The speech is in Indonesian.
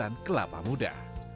dan kelapa muda